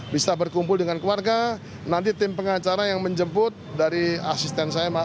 bisa berkumpul dengan keluarga nanti tim pengacara yang menjemput dari asisten saya mas